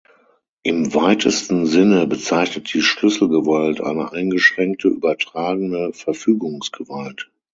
Im weitesten Sinne bezeichnet die Schlüsselgewalt eine eingeschränkte, übertragbare Verfügungsgewalt.